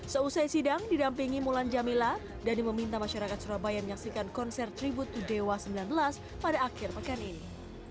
seusai sidang didampingi mulan jamila dhani meminta masyarakat surabaya menyaksikan konser tribut to dewa sembilan belas pada akhir pekan ini